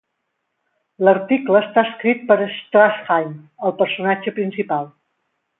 L'article està escrit per Strasheim, el personatge principal.